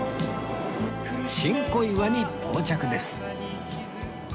新小岩に到着です